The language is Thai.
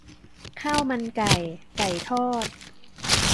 ข้าวมันไก่ ไก่ทอด